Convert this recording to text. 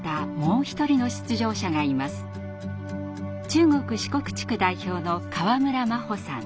中国・四国地区代表の河村真帆さん。